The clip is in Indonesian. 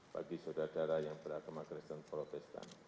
bagi saudara saudara yang beragama kristen protestan